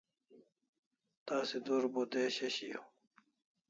Tasi dur bo desha shiaw